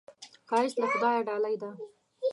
ښایست له خدایه ډالۍ ده